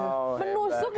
kalah loh saya itu